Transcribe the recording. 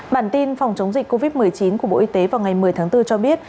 bản tin phòng chống dịch covid một mươi chín của bộ y tế vào ngày một mươi tháng bốn cho biết